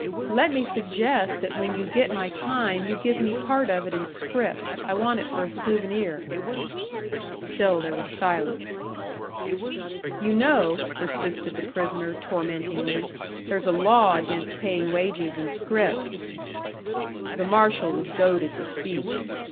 "Let me suggest that when you get my time, you give me part of it in scrip. I want it for a souvenir." Still there was silence. "You know," persisted the prisoner, tormentingly, "there's a law against paying wages in scrip." The marshal was goaded to speech.